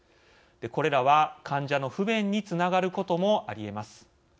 これらは、患者の不便につながることもありえます。